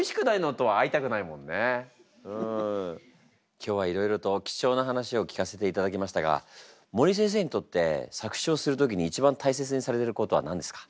今日はいろいろと貴重な話を聞かせていただきましたが森先生にとって作詞をする時に一番大切にされてることは何ですか？